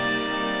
putri aku nolak